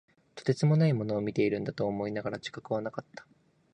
とてつもないものを見ているんだと思いながらも、自覚はなかった。